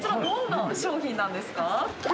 どんな商品なんですか？